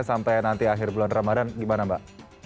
sampai nanti akhir bulan ramadan gimana mbak